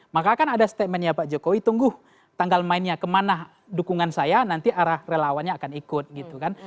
maka akan ada statementnya pak jokowi tunggu tanggal mainnya kemana dukungan saya nanti arah relawannya akan ikut gitu kan